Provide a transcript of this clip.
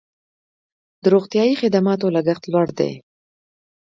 د روغتیايي خدماتو لګښت لوړ دی